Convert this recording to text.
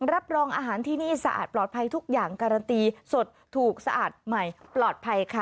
รับรองอาหารที่นี่สะอาดปลอดภัยทุกอย่างการันตีสดถูกสะอาดใหม่ปลอดภัยค่ะ